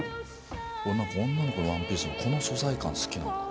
俺何か女の子のワンピースのこの素材感好きなんだ。